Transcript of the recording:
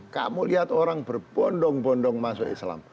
kamu lihat orang berbondong bondong masuk islam